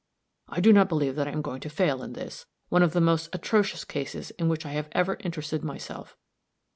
I do not believe that I am going to fail in this, one of the most atrocious cases in which I have ever interested myself.